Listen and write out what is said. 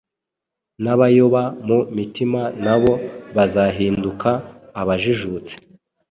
n’abayoba mu mitima na bo bazahinduka abajijutse,